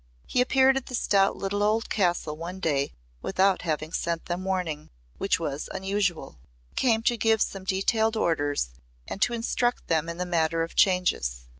He appeared at the stout little old castle one day without having sent them warning, which was unusual. He came to give some detailed orders and to instruct them in the matter of changes.